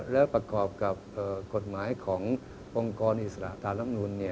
และประกอบกับกฎหมายขององค์กรอิสระตามลำนูน